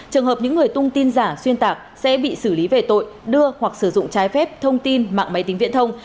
trường hợp những người tung tin giả xuyên tạc sẽ bị xử lý về tội đưa hoặc sử dụng trái phép thông tin mạng máy tính viễn thông